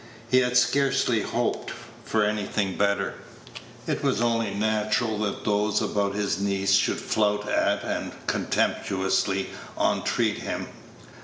He had scarcely hoped for anything better. It was only natural that those about his niece should flout at and contemptuously entreat him.